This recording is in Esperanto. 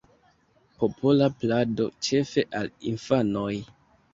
Popola plado, ĉefe al infanoj.